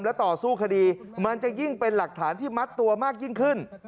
และต่อสู้คดีมันจะยิ่งเป็นหลักฐานที่มัดตัวมากยิ่งขึ้น